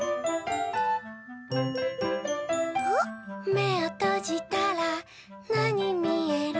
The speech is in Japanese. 「めをとじたらなにみえる？」